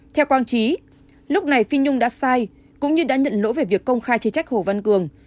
theo quang trí lúc này phi nhung đã sai cũng như đã nhận lỗi về việc công khai chỉ trách hồ văn cường